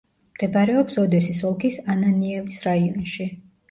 მდებარეობს ოდესის ოლქის ანანიევის რაიონში.